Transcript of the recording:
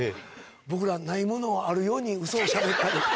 僕らないものをあるようにウソをしゃべったり。